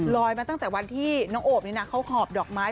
มาตั้งแต่วันที่น้องโอบนี่นะเขาหอบดอกไม้